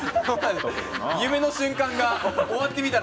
夢の瞬間が、終わってみたら。